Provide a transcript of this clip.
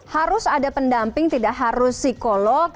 harus ada pendamping tidak harus psikolog